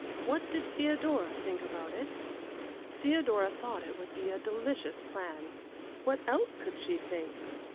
What did Theodora think about it? Theodora thought it would be a delicious plan. What else could she think?